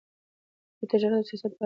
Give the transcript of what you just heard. دوی تجارت او سیاست دواړه کوي.